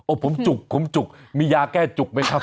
ผมจุกผมจุกมียาแก้จุกไหมครับ